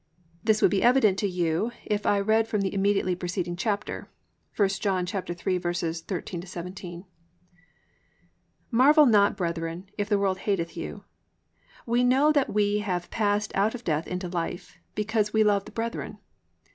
This will be evident to you if I read from the immediately preceding chapter (1 John 3:13 17): +"Marvel not, brethren, if the world hateth you. (14) We know that we have passed out of death into life, because we love the brethren.